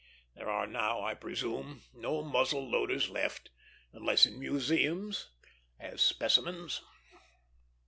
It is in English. There are now, I presume, no muzzle loaders left; unless in museums, as specimens.